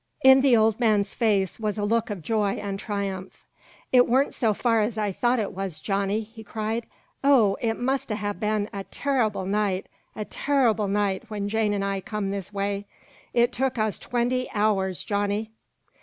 In the old man's face was a look of joy and triumph. "It weren't so far as I thought it was, Johnny!" he cried. "Oh, it must ha' been a turrible night a turrible night when Jane an' I come this way! It took us twenty hours, Johnny!"